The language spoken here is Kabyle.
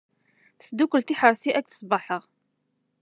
Tesdukel tiḥerci aked cbaḥa.